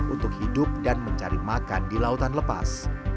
untuk hidup dan mencari makan di lautan lepas